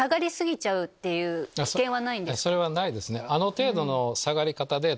それはないですね。